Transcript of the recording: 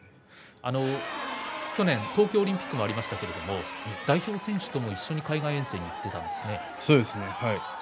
去年東京オリンピックがありましたけど代表選手も海外遠征に行っていたんですね。